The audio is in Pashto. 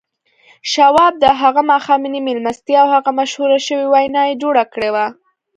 شواب ته هغه ماښامنۍ مېلمستیا او هغه مشهوره شوې وينا يې جوړه کړې وه.